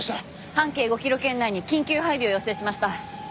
半径５キロ圏内に緊急配備を要請しました。